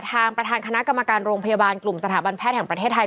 ทางประธานคณะกรรมการโรงพยาบาลกลุ่มสถาบันแพทย์แห่งประเทศไทย